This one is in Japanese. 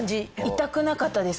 痛くなかったですか？